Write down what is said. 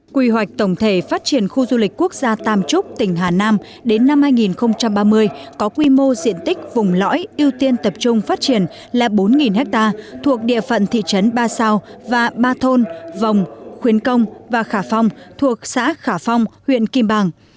quy hoạch tổng thể phát triển khu du lịch quốc gia tam trúc tỉnh hà nam đến năm hai nghìn ba mươi có quy mô diện tích vùng lõi ưu tiên tập trung phát triển là bốn ha thuộc địa phận thị trấn ba sao và ba thôn vòng khuyến công và khả phong thuộc xã khả phong huyện kim bàng